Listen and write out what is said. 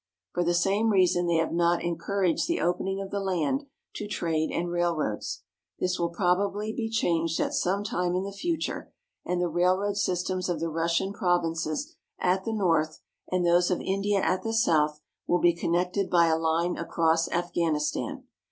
For the same reason they have not encouraged the opening of the land to trade and railroads. This will probably be changed at some time in the future, and the railroad systems of the Russian provinces at the north and those of India at the south will be connected by a line across Af ghanistan.